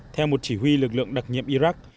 theo một chỉ huy lực lượng đặc nhiệm iraq